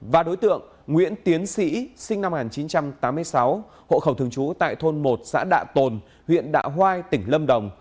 và đối tượng nguyễn tiến sĩ sinh năm một nghìn chín trăm tám mươi sáu hộ khẩu thường trú tại thôn một xã đạ tôn huyện đạ hoai tỉnh lâm đồng